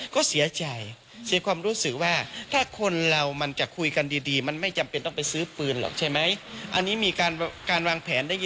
ก็เสียใจเสียความรู้สึกว่า